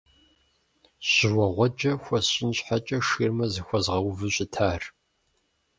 Жьыуэгъуэджэ хуэсщӀын щхьэкӀэ, ширмэ зыхуэзгъэуву щытар.